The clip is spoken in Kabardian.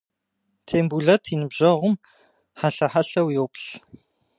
Тембулэт и ныбжьэгъум хьэлъэ-хьэлъэу йоплъ.